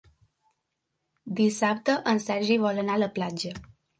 Dissabte en Sergi vol anar a la platja.